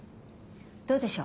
どうでしょう？